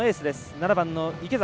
７番の池崎。